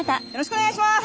お願いします！